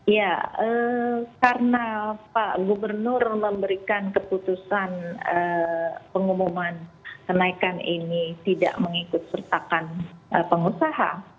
ya karena pak gubernur memberikan keputusan pengumuman kenaikan ini tidak mengikut sertakan pengusaha